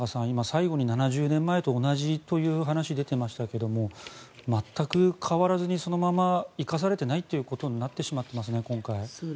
今、最後に７０年前と同じという話が出ていましたが全く変わらずに、そのまま生かされていないということになってしまっていますね、今回。